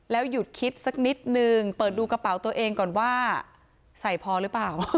หยุดคิดสักนิดนึงเปิดดูกระเป๋าตัวเองก่อนว่าใส่พอหรือเปล่า